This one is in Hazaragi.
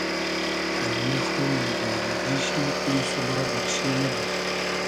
اݷنۂ خویی گݷنئگی شی ایم سوبا دئرشی نئبود